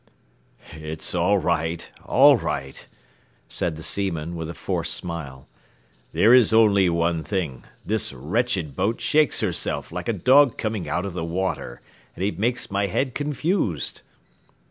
"It's all right, all right," said the seaman, with a forced smile; "there is only one thing, this wretched boat shakes herself like a dog coming out of the water, and it makes my head confused."